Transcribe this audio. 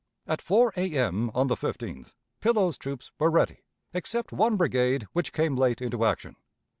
At 4 A.M. on the 15th, Pillow's troops were ready, except one brigade, which came late into action.